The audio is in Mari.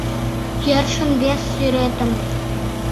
Йӧршын вес сӱретым.